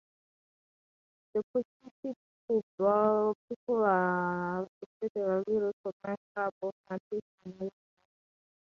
The Cochiti pueblo people are a federally recognized tribe of Native Americans.